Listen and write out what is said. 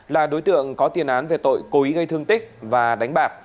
là đối tượng có tiền án về tội cố ý gây thương tích và đánh bạc